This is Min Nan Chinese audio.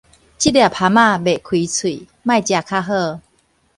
這粒蚶仔袂開喙，莫食較好